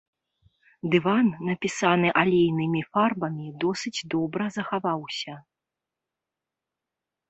Дыван, напісаны алейнымі фарбамі, досыць добра захаваўся.